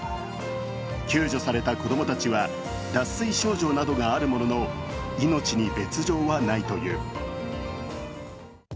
救助された子供たちは脱水症状などがあるものの、命に別状はないという。